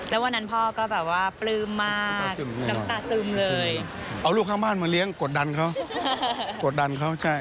และวันนั้นพ่อก็แบบว่าปลืมมาก